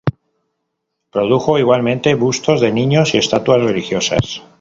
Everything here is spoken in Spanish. Produjo igualmente bustos de niños y estatuas religiosas.